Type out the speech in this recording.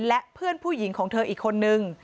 และเพื่อนผู้หญิงของเธออีกคนนึง